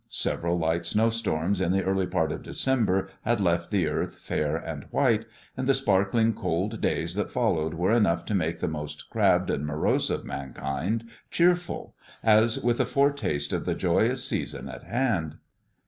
Several light snow storms in the early part of December had left the earth fair and white, and the sparkling, cold days that followed were enough to make the most crabbed and morose of mankind cheerful, as with a foretaste of the joyous season at hand.